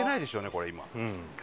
これ今。